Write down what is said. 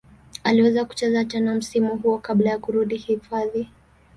Aliweza kucheza tena msimu huo kabla ya kurudi hifadhi.